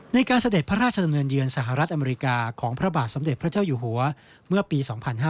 เสด็จพระราชดำเนินเยือนสหรัฐอเมริกาของพระบาทสมเด็จพระเจ้าอยู่หัวเมื่อปี๒๕๕๙